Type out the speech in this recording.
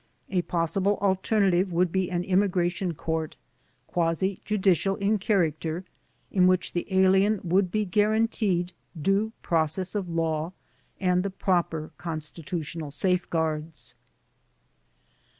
A possible alternative would be an immigration court, quasi judicial in character, in which the alien would be guaranteed due process of law and the proper con stitutional safeguards.